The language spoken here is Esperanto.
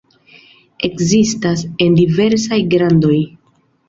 Ekzistas en diversaj grandoj.